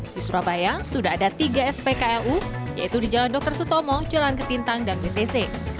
di surabaya sudah ada tiga spklu yaitu di jalan dr sutomo jalan ketintang dan btc